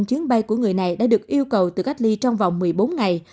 những biến bay của người này đã được yêu cầu từ cách ly trong vòng một mươi bốn ngày